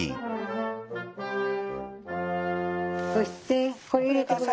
そしてこれ入れて下さい。